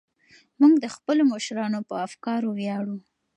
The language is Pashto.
موږ د خپلو مشرانو په افکارو ویاړو.